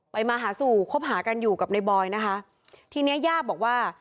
มาหาสู่คบหากันอยู่กับในบอยนะคะทีเนี้ยย่าบอกว่า